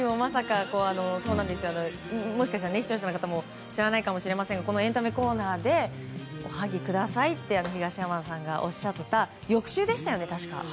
もしかしたら視聴者の方も知らないかもしれませんがエンタメコーナーでおはぎくださいって東山さんがおっしゃっていた翌週でしたよね。